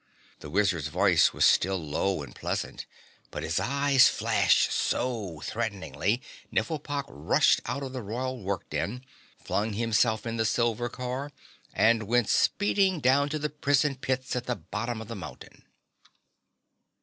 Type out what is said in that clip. The wizard's voice was still low and pleasant, but his eyes flashed so threateningly, Nifflepok rushed out of the royal work den, flung himself in the silver car and went speeding down to the prison pits at the bottom of the mountain.